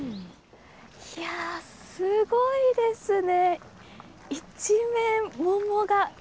いやー、すごいですね。